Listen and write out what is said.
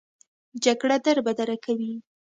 جګړه دربدره کوي